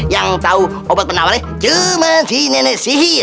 yang tahu obat penawarnya cuma si nenek sihir